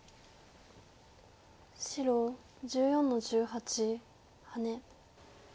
白１４の十八ハネ。